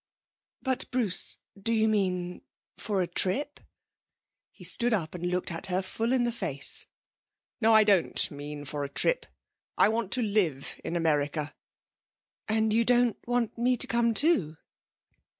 'But, Bruce, do you mean for a trip?' He stood up and looked at her full in the face. 'No, I don't mean for a trip. I want to live in America.' 'And you don't want me to come too?'